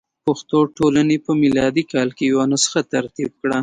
پښتو ټولنې په میلادي کال کې یوه نسخه ترتیب کړه.